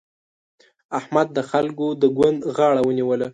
احمد د خلګو د ګوند غاړه ونيوله.